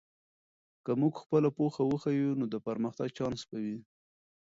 که موږ خپله پوهه وښیو، نو د پرمختګ چانس به وي.